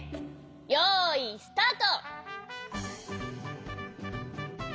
よいスタート！